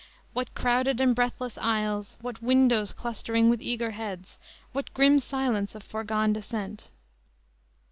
What crowded and breathless aisles, what windows clustering with eager heads, what grim silence of foregone dissent!"